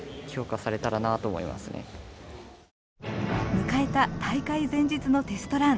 迎えた大会前日のテストラン。